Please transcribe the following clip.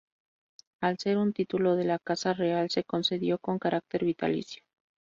Al ser un título de la Casa Real, se concedió con carácter vitalicio.